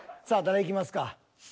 さあ誰いきますか？